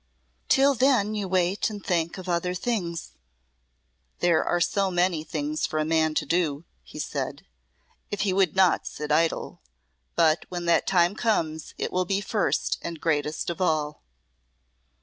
"Till then you wait and think of other things." "There are so many things for a man to do," he said, "if he would not sit idle. But when that comes it will be first and greatest of all."